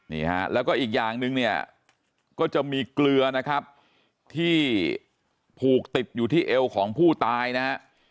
นี่ฮะแล้วก็อีกอย่างหนึ่งเนี่ยก็จะมีเกลือนะครับที่ผูกติดอยู่ที่เอวของผู้ตายนะฮะ